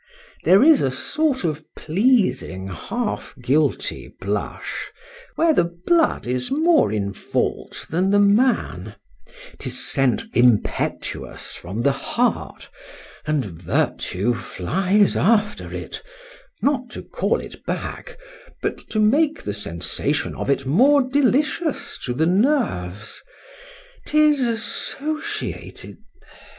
There is a sort of a pleasing half guilty blush, where the blood is more in fault than the man:—'tis sent impetuous from the heart, and virtue flies after it,—not to call it back, but to make the sensation of it more delicious to the nerves:—'tis associated.